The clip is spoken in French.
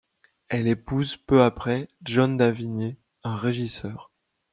Elle épouse peu après John Davinier, un régisseur.